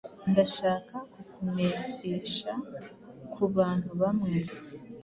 Ndashaka kukumeesha kubantu bamwe.